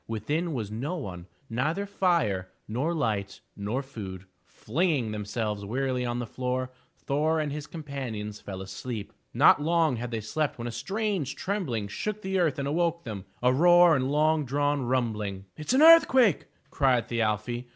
Within was no one, neither fire, nor light, nor food. Flinging themselves wearily on the floor, Thor and his companions fell asleep. Not long had they slept when a strange trembling shook the earth and awoke them, — a roar and long drawn rumbling. "It is an earthquake!" cried Thi al'fi.